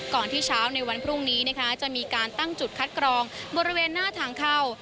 ที่เช้าในวันพรุ่งนี้นะคะจะมีการตั้งจุดคัดกรองบริเวณหน้าทางเข้า